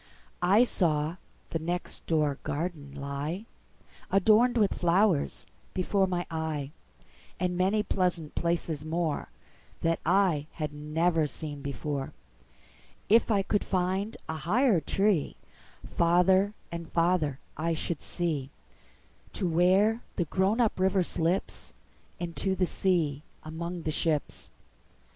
I saw the next door garden lie, Adorned with flowers, before my eye, And many pleasant places moreThat I had never seen before. If I could find a higher treeFarther and farther I should see, To where the grown up river slipsInto the sea among the ships.